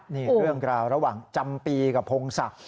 นี่เรื่องราวระหว่างจำปีกับพงศักดิ์